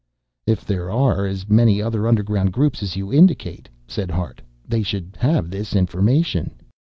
"If there are as many other underground groups as you indicate," said Hart, "they should have this information."